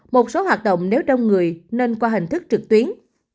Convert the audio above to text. một số hoạt động nếu đông người nên qua hình thức trực tuyến